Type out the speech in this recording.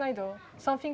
sesuatu dengan kain